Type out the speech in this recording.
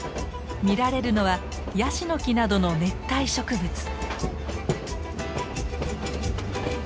見られるのはヤシの木などの熱帯植物。